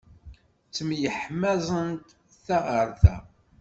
Ttemyeḥmaẓent ta ɣer ta.